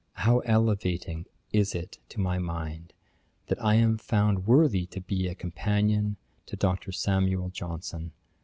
how elevating is it to my mind, that I am found worthy to be a companion to Dr. Samuel Johnson!